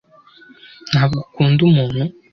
ntabwo ukunda umuntu